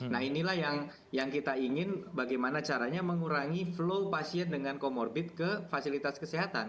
nah inilah yang kita ingin bagaimana caranya mengurangi flow pasien dengan comorbid ke fasilitas kesehatan